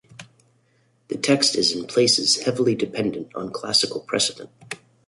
The text is in places heavily dependent on classical precedent.